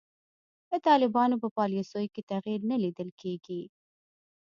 د طالبانو په پالیسیو کې تغیر نه لیدل کیږي.